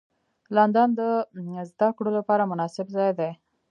لندن د زدهکړو لپاره مناسب ځای دی